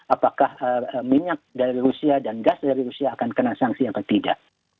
apakah minyak dari rusia dan gas dari rusia akan kena sanksi atau tidak